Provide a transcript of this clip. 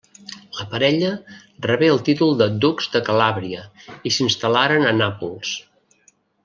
La parella rebé el títol de ducs de Calàbria i s'instal·laren a Nàpols.